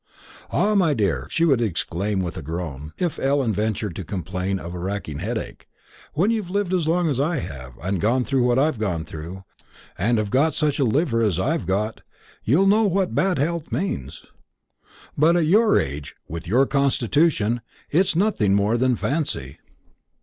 "Ah, my dear," she would exclaim with a groan, if Ellen ventured to complain of a racking headache, "when you've lived as long as I have, and gone through what I've gone through, and have got such a liver as I've got, you'll know what bad health means. But at your age, and with your constitution, it's nothing more than fancy."